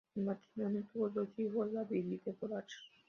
El matrimonio tuvo dos hijos, David y Deborah.